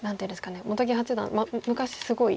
本木八段昔すごい戦い。